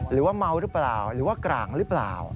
หรือว่าเมาหรือเปล่าหรือว่ากร่างหรือเปล่า